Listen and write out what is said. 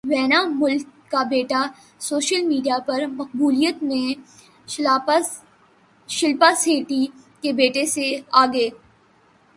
وینا ملک کا بیٹا social media پر مقبولیت میں شلپا شیٹھی کے بیٹے سے آگے